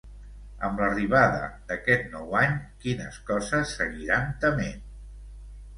Amb l'arribada d'aquest nou any, quines coses seguiran tement?